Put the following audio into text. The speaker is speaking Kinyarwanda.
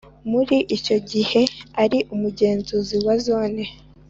Muri icyo gihe ari umugenzuzi wa zone